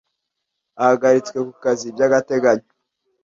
ahagaritswe ku kazi bya gateganyo,